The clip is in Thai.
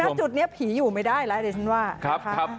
คือนักจุดเนี้ยผีอยู่ไม่ได้แล้วแต่ฉันว่าครับครับ